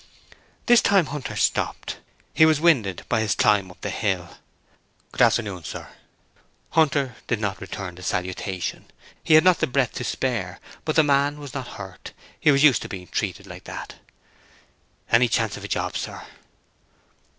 This time Hunter stopped: he was winded by his climb up the hill. 'Good afternoon, sir.' Hunter did not return the salutation; he had not the breath to spare, but the man was not hurt; he was used to being treated like that. 'Any chance of a job, sir?'